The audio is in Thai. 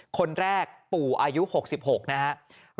คนแรกปู่อายุ๖๖นะครับ